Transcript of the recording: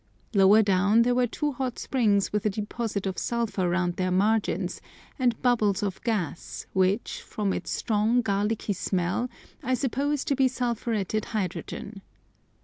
Lower down there were two hot springs with a deposit of sulphur round their margins, and bubbles of gas, which, from its strong, garlicky smell, I suppose to be sulphuretted hydrogen.